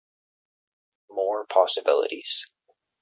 More Possibilities